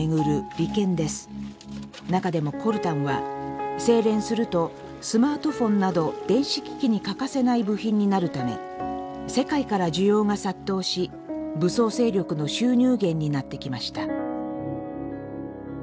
中でもコルタンは精錬するとスマートフォンなど電子機器に欠かせない部品になるため世界から需要が殺到し武装勢力の収入源になってきました。